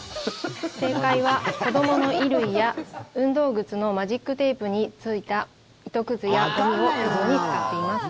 正解は、子どもの衣類や運動靴のマジックテープについた糸くずや、ほこりを取るのに使っています。